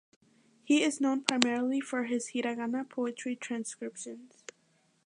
He is known primarily for his hiragana poetry transcriptions.